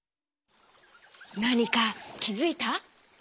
なにかきづいた？